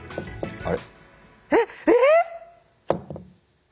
あれ？